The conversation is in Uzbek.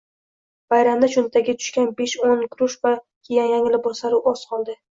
Bayramda cho'ntagiga tushgan besho'n kurush va kiygan yangi liboslari o'z qoldi.